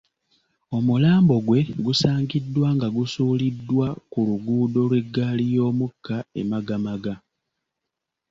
Omulambo gwe gusangiddwa nga gusuuliddwa ku luguudo lw'eggaali y'omukka e Magamaga